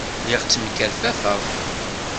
Lliɣ ttemkerfafeɣ.